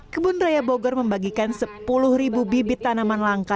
kebun raya bogor membagikan sepuluh bibit tanaman langka